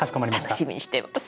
楽しみにしてます。